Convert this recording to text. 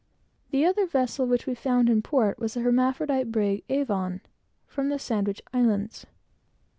The other vessel which we found in port was the hermaphrodite brig Avon, from the Sandwich Islands.